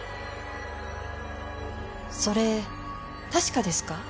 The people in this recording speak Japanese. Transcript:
それ確かですか？